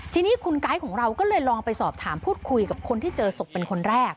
ทีนี้คุณไกด์ของเราก็เลยลองไปสอบถามพูดคุยกับคนที่เจอศพเป็นคนแรก